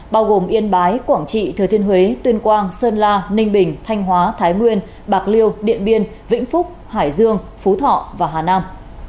bao gồm yên bái quảng trị thừa thiên huế tuyên quang sơn la ninh bình thanh hóa thái nguyên bạc liêu điện biên vĩnh phúc hải dương phú thọ và hà nam